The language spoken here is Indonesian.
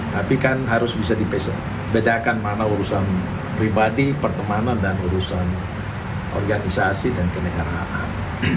tapi kan harus bisa dibedakan mana urusan pribadi pertemanan dan urusan organisasi dan kenegaraan